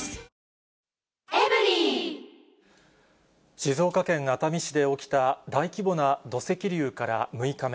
静岡県熱海市で起きた大規模な土石流から６日目。